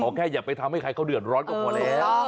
แค่อย่าไปทำให้ใครเขาเดือดร้อนก็พอแล้ว